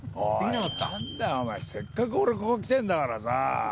おい何だよお前せっかく俺ここ来てんだからさ。